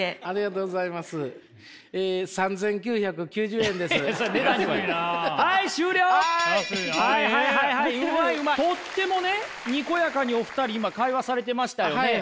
とってもねにこやかにお二人今会話されてましたよね？